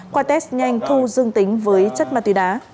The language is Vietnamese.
qua test nhanh thu dương tính với chất ma túy đá